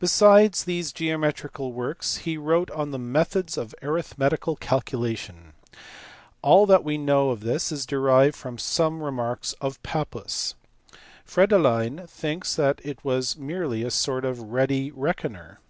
Besides these geometrical works he wrote on the methods of arithmetical calcidation. All that we know of this is derived from some remarks of Pappus. Friedlein thinks that it was merely a sort of ready reckoner.